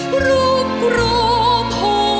ขอทนทุกข์ทุ่กสับดายกลับไปเพลง